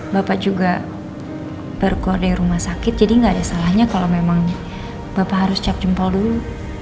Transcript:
bapak juga baru keluar dari rumah sakit jadi gak ada salahnya kalau memang bapak harus cap jempol dulu